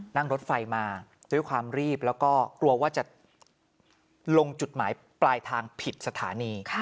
นั่งรถไฟมาด้วยความรีบแล้วก็กลัวว่าจะลงจุดหมายปลายทางผิดสถานี